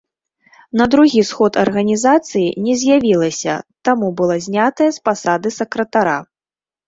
На другі сход арганізацыі не з'явілася, таму была знятая з пасады сакратара.